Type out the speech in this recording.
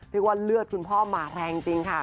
เรียกว่าเลือดคุณพ่อมาแรงจริงค่ะ